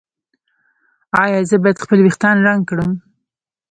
ایا زه باید خپل ویښتان رنګ کړم؟